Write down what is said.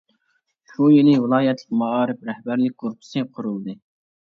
شۇ يىلى ۋىلايەتلىك مائارىپ رەھبەرلىك گۇرۇپپىسى قۇرۇلدى.